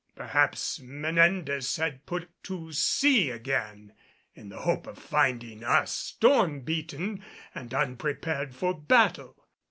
Perhaps Menendez had put to sea again in the hope of finding us storm beaten and unprepared for battle.